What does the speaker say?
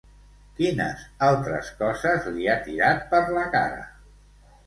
Quines altres coses li ha tirat per la cara?